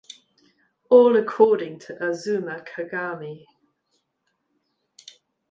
All according to "Azuma Kagami".